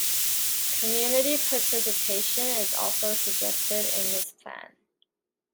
Community participation is also suggested in this plan.